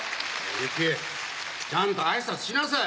幸恵ちゃんと挨拶しなさい。